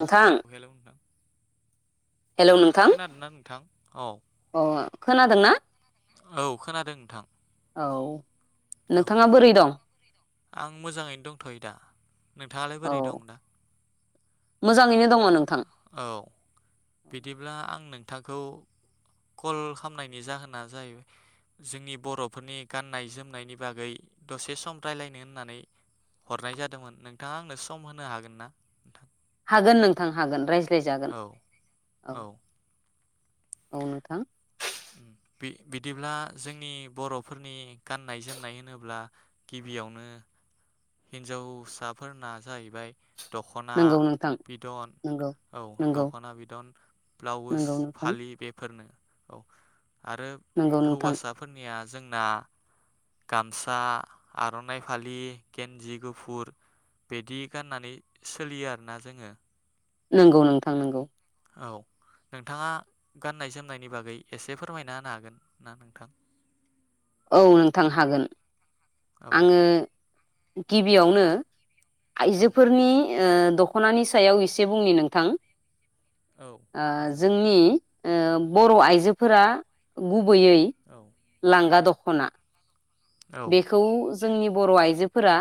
नोंथां उहेला [unintelligible] हेलौ नोंथां अ खोनादों ना औ खोनादों नोंथां औ औ नोंथाङा बोरै दं आं मोजाङैनो दंथ'यो दा नोंथाङालाय औ बोरै दं दा मोजाङैनो दङ नों औ बिदिब्ला आं नों नोंथांखौ कल खामनायनि जाहोना जाहैबाय जोंनि बर'फोरनि गाननाय जोमनायनि बागै दसे सम रायलायनो होननानै हरनाय जादोंमोन नोंथाङा आंनो सम होनो हागोन ना नोंथां हागोन नोंथां हागोन रायज्ला य जागोन औ औ औ नोंथां उम बि- बिदिब्ला जोंनि बर'फोरनि गाननाय जोमनाय होनोब्ला गिबियावनो हिनजावसाफोरना जाहैबाय दख'ना नंगौ नोंथां बिदन नंगौ औ नंगौ दख'ना बिदन ब्लाउस नंगौ नोंथां फालि बेफोरनो औ आरो नंगौ नोंथां हौवासाफोरनिया जोंना गामसा आर'नाइ फालि गेन्जि गुफुर बिदि गाननानै सोलियो आरोना जोङो नोंगौ नोंथां नोंगौ औ नोंथाङा गाननाय जोमनायनि बागै एसे फोरमायना होनो हागोन ना नोंथां औ नोंथां हागोन औ आङो गिबियावनो औ आइजोफोरनि ओ दख'नानि सायाव एसे बुंनि नोंथां औ ओ बुंजागोन जोंनि नोंथां ओ बर' आइजोफोरा गुबै यै औ लांगा दखना खना औ बेखौ जोंनि बर' आइजोफोरा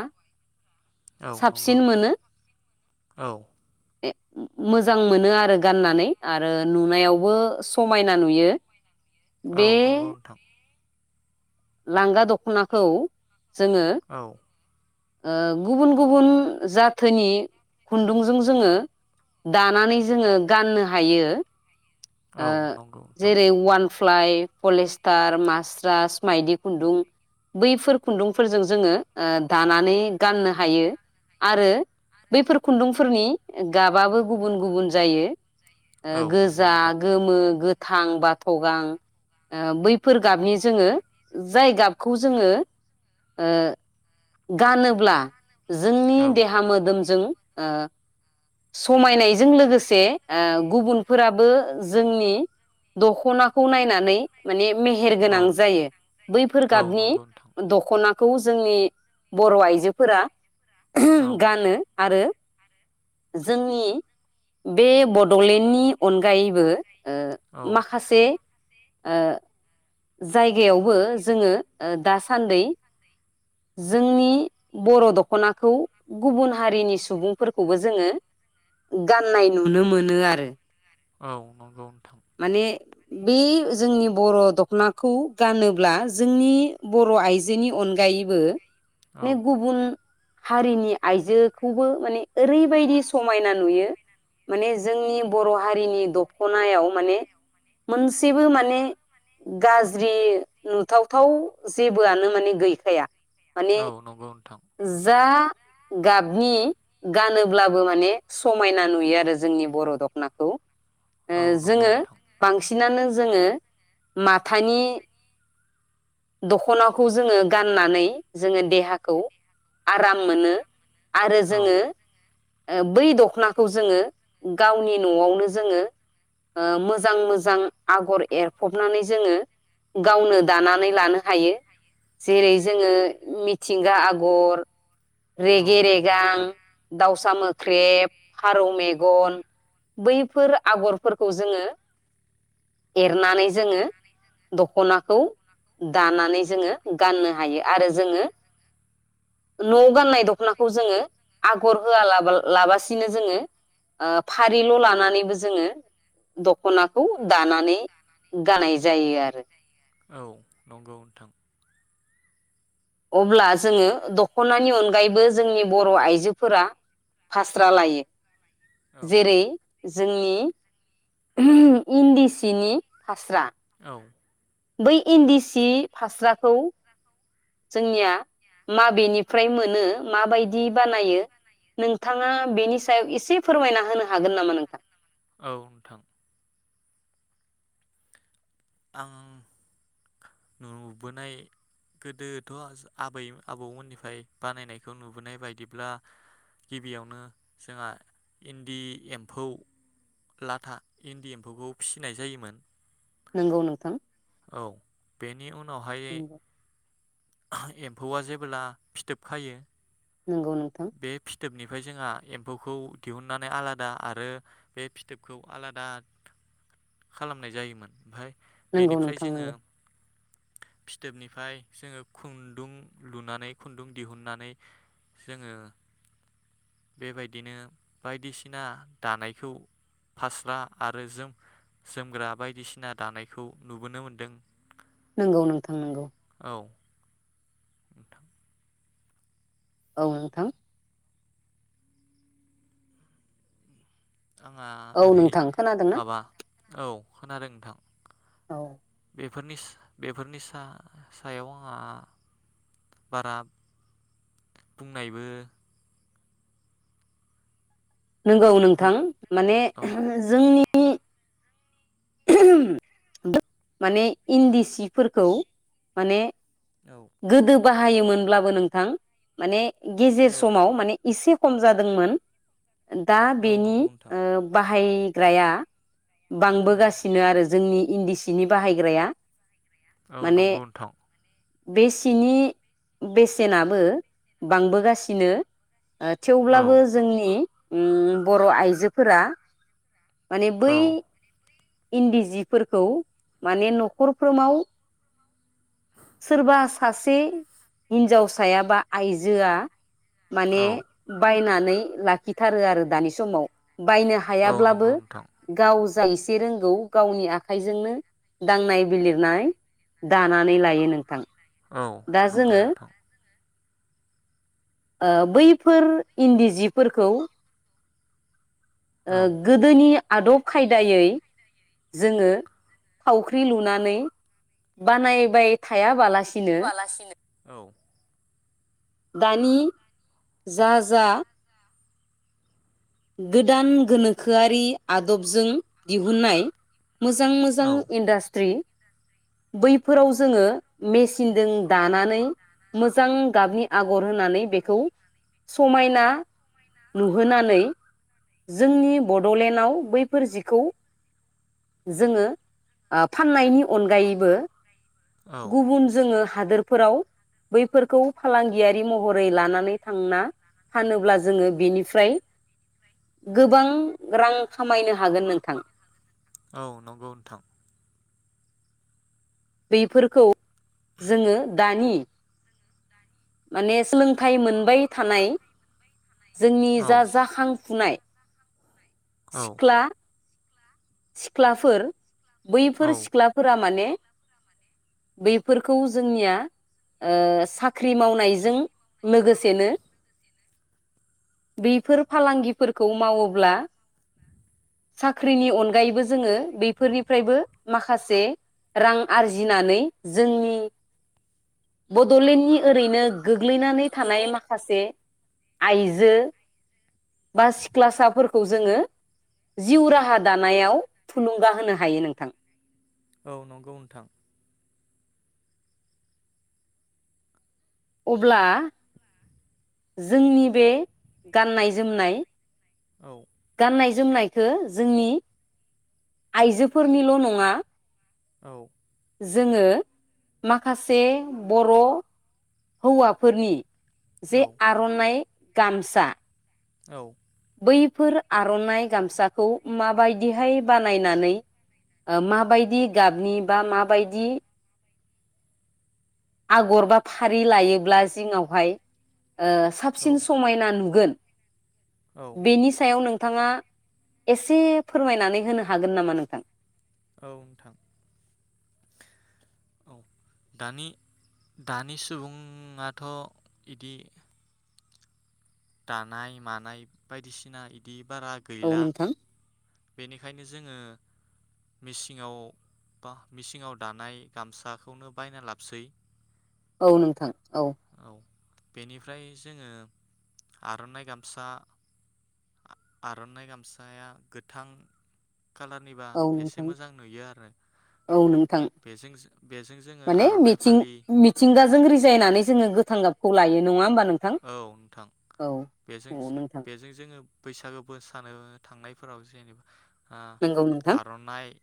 औ नंगौ साबसिन नोंथां मोनो औ मोजां मोनो आरो गाननानै आरो नुनायावबो समायना नुयो औ बे नंगौ नोंथां लांगा दख'नाखौ जोङो औ ओ गुबुन गुबुन जाथोनि खुन्दुंजों जोङो दानानै जोङो गाननो हायो औ ओ नंगौ नोंथां जेरै वान फ्लाइ पलेष्टार मास्रास माइदि खुन्दुं बैफोर खुन्दुंफोरजों जोङो ओ दानानै गाननो हायो आरो बैफोर खुन्दुंफोरनि गाबाबो गुबुन गुबुन जायो ओ औ नंगौ गोजा नोंथां गोमो गोथां बाथ' गां ओ बैफोर गाबनि जोङो जाय गाबखौ जोङो गानोब्ला जोंनि औ देहा मोदोमजों ओ समायनायजों लोगोसे ओ गुबुनफोराबो जोंनि दखनाखौ नायनानै माने मेहेर औ गोनां जायो बैफोर औ गाबनि नंगौ नोंथां दख'ना खौ जोंनि बर' आइजोफोरा औ गानो आरो जोंनि बे बड'लेण्डनि अनगायै बो ओ औ माखासे ओ जायगायावबो जोङो ओ दासान्दै जोंनि बर' दख'नाखौ गुबुन हारिनि सुबुंफोरखौबो जोङो गाननाय नुनो मोनो आरो औ नंगौ नोंथां माने बे जोंनि बर' दखनाखौ गानोब्ला जोंनि बर' आइजोनि अनगायैबो औ ने गुबुन हारिनि आइजोखौबो माने ओरैबायदि समायना नुयो माने जोंनि बर' हारिनि द दखनायाव माने मोनसेबो माने गाज्रि नुथावथाव जेबोआनो माने गैखाया माने औ नंगौ नोंथां जा गाबनि गानोब्लाबो माने समायना नुयो आरो जोंनि बर' दख'नाखौ ओ औ नंगौ जोङो नोंथां बांसिनानो जोङो माथानि दख'नाखौ जोङो गाननानै जोङो देहाखौ आराम मोनो। आरो औ जोङो ओ बै दख'नाखौ जोङो गावनि न'आवनो जोङो ओ मोजां मोजां आगर एरफबनानै जोङो गावनो दानानै लानो हायो जेरै जोङो मिथिंगा आगर औ रेगे नंगौ रेगां नोंथां दाउसा मो ख्रेब फारौ मेगन बैफोर आगरफोरखौ जोङो एरनानै जोङो दख'नाखौ दानानै जोङो गाननो हायो आरो जोङो न'आव गाननाय दख'नाखौ जोङो आगर होआ लाबा लाबासिनो जोङो ओ फारिल' लानानैबो जो जोङो दखनाखौ दानानै गानाय जायो आरो। औ नंगौ नोंथां। अब्ला जोङो दख'नानि अनगायैबो जोंनि बर' आइजोफोरा फास्रा लायो। औ जेरै जोंनि [unintelligible] इन्दि सिनि फास्रा औ बै इन्दि सि फास्राखौ जोंनिया माबेनिफ्राय मोनो माबायदि बानायो नोंथाङा बेनि सायाव एसे फोरमायना होनो हागोन नामा नोंथां औ नोंथां। आं नुबोनाय गोदोथ' आबै आबौमोननिफ्राय बानायनायखौ नुबोनाय बायदिब्ला गिबियावनो जोंहा इन्दि एम्फौ लाथा इन्दि एम्फौखौ फिसिनाय जायोमोन। नंगौ नोंथां औ बेनि उनावहाय नंगौ एम्फौआ जेबोला फिथोब खायो नोंगौ नोंथां। बे फिथोबनिफ्राय जोंहा एम्फौखौ दिहुननानै आलादा आरो बे फिथोबखौ आलादा खालामनाय जायोमोन ओमफाय। नंगौ बेनिफ्राय नोंथां जोङो। नंगौ फिथोबनिफाय जोङो खुन्दुं लुनानै खुन्दुं दिहुननानै जोङो बेबायदिनो बायदिसिना दानायखौ फास्रा आरो जोम जोमग्रा बायदिसिना दानायखौ नुबोनो मोनदों। नोंगौ नोंथां नोंगौ औ नोंथां औ नोंथां आंहा औ ओरै नोंथां खोनादोंना माबा औ खोनादों नोंथां औ बेफोरनिस बेफोरनि सा-सायाव आंहा बारा बुंनायबो नोंगौ नोंथां हुद माने औ जोंनि [unintelligible] [unintelligible] माने इन्दि सिफोरखौ माने औ गोदो बाहायोमोनब्लाबो नोंथां माने गेजेर औ समाव माने एसे खम जादोंमोन दा औ बेनि नंगौ ओ नोंथां बाह बाहायग्राया औ बांबोगासि जोंनि इन्दि सिनि बाहायग्राया औ माने नंगौ नोंथां बे सिनि बेसेनाबो बांबोगासिनो ओ औ थेवब्लाबो जोंनि उम बर' आइजोफोरा माने औ बै इन्दि जिफोरखौ माने न'खरफ्रोमाव सोरबा सासे हिन्जावसाया बा आइजोआ माने औ बायनानै लाखिथारो आरो दानि समाव बाय औ ब्लाबो नंगौ नोंथां गाव जा एसे रोंगौ गावनि आखाइजोंनो दांनाय बिलिरनाय दानानै लायो नोंथां। औ दा नंगौ जोङो नोंथां ओ बैफोर इन्दि जिफोरखौ औ ओ गोदोनि आदब खायदायै जोङो थावख्रि लुनानै बानायबाय थायाबालासि बालासिनो औ दानि जा जा गोदान गोनोखोआरि आदबजों दिहुननाय मोजां मोजां औ इन्डास्ट्रि बैफोराव जोङो मेसिनजों दानानै मोजां गाबनि आगर होनानै बेखौ समायना नुहोनानै जोंनि बड'लेण्डआव बैफोर जिखौ जोङो ओ फाननायनि अनगायैबो औ गुबुन जोङो हादोरफोराव बैफोरखौ फालांगियारि महरै लानानै थांना फानोब्ला जोङो बेनिफ्राय गोबां रां खामायनो हागोन नोंथां। औ नंगौ नोंथां बेफोरखौ जोङो दानि माने सोलोंथाइ मोनबाय थानाय जोंनि औ जा जाखांफुनाय औ सिख्ला सिख्लाफोर औ बैफोर सिख्लाफोरा माने बेैफोरखौ जोंनिया ओ साख्रि मावनायजों लोगोसेनो बैफोर फालांगिफोरखौ मावोब्ला साख्रिनि अन अनगायैबो जोङो बेफोरनिफ्रायबो माखासे रां आरजिनानै जोंनि बड'लेण्डनि ओरैनो गोग्लैनानै थानाय माखासे आइजो बा सिख्लासाफोरखौ जोङो जिउ राहा दानो याव थुलुंगा होनो हायो नोंथां औ नंगौ नोंथां अब्ला जोंनि बे गाननाय जोमनाय औ गाननाय जोमनायखौ जोंनि आइजोफोरनिल' नङा औ जोङो माखासे बर' हौवाफोरनि जे औ आर'नाइ गामसा औ बैफोर आर'नाइ गामसाखौ माबायदिहाय बानायनानै ओ माबायदि गाबनि बा माबायदि आगर बा फारि लायोब्ला जिङावहाय ओ साबसिन समायना नुगोन औ बेनि सायाव नों नोंथाङा एसे फोरमायनानै होनो हागोन नामा नोंथां औ नोंथां औ दानि दानि सुबुङाथ' इदि दानाय मानाय बायदिसिना इदि बारा औ गैला नोंथां बेनिखायनो जोङो मेसिङाव बा मेसिङाव दानाय गामसाखौनो बायना लाबसै औ नोंथां औ बेनिफ्राय जोङो आर'नाइ गामसा आर'नाइ गामसाया गोथां कालारनिबा औ एसे नोंथां मोजां नुयो आरो औ नोंथां बेजों बेजों जोङो माने आर'नाइ मिथिं फालि थां गाबखौ लायो नङा होनबा औ नोंथां बेजों औ नोंथां बेजों जोङो बैसागो बोसानो थांनायफोराव जेनेबा आ नंगौ नोंथां आर'नाइ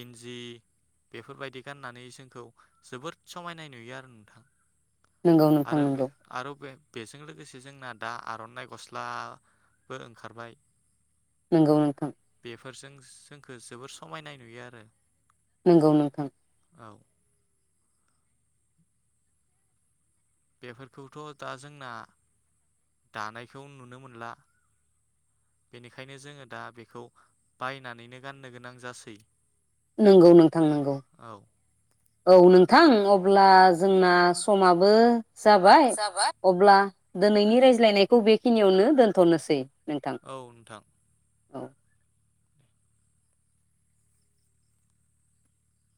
गिन्जि बेफोरबायदि गाननानै जोंखौ जोबोद समायनाय नुयो आरो नोंथां नंगौ नोंथां आरो बे नंगौ आरो बे बेजों लोगोसे जोंना दा आर'नाइ गस्लाबो ओंखारबाय नोंगौ नोंथां बेफोरजों जोंखौ जोबोर समायनाय नुयो आरो नंगौ नोंथां औ बेफोरखौथ' दा जोंना दानायखौ नुनो मोनला बेनिखायनो जोङो दा बेखौ बायनानैनो गाननो गोनां जासै नंगौ नोंथां नंगौ औ औ नोंथां अब्ला जोंना समाबो जाबाय अब्ला दिनैनि रायज्लायनायखौ बेखिनियावनो दोनथ'नोसै नोंथां औ नोंथां औ